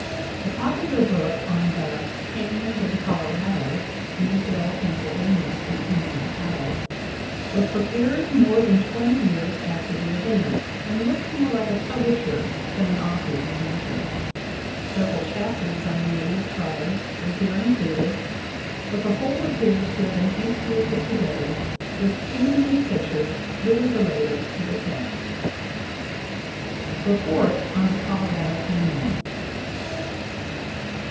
The popular book on the "Canyons of the Colorado" (Meadville, Pa., 1895) was prepared more than twenty years after the event, and looks more like a publisher's than an author's venture. Several chapters on the native tribes were here included ; but the whole appears to have been hastily put together, with too many pictures little related to the text. REPORT ON THE COLORADO CANYON.